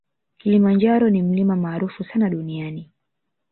Kilimanjaro ni mlima maarufu sana duniani